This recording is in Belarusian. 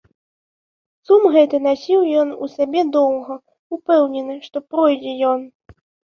Сум гэты насіў ён у сабе доўга, упэўнены, што пройдзе ён.